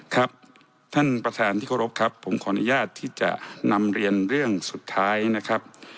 ครับท่านประธานที่เคารพครับผมขออนุญาตที่จะนำเรียนเรื่องสุดท้ายนะครับ